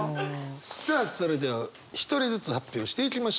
さあそれでは一人ずつ発表していきましょう。